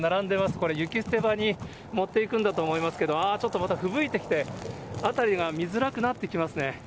これ、雪捨て場に持っていくんだと思いますけど、ちょっとまたふぶいてきて、辺りが見づらくなってきますね。